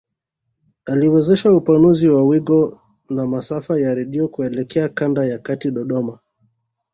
Aliwezesha upanuzi wa wigo wa masafa ya redio kuelekea kanda ya kati Dodoma